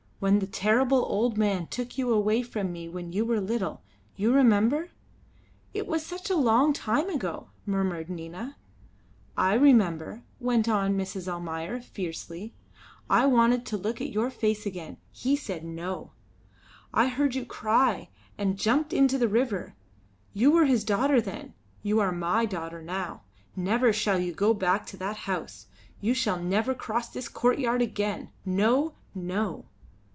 When the terrible old man took you away from me when you were little, you remember " "It was such a long time ago," murmured Nina. "I remember," went on Mrs. Almayer, fiercely. "I wanted to look at your face again. He said no! I heard you cry and jumped into the river. You were his daughter then; you are my daughter now. Never shall you go back to that house; you shall never cross this courtyard again. No! no!"